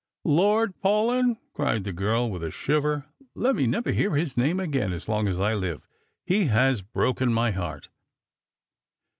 " Lord Paulyn !" cried the girl, with a shiver, " let me never hear his name again as long as I live. He has broken my heart."